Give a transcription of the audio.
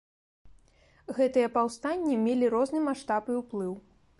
Гэтыя паўстанні мелі розны маштаб і ўплыў.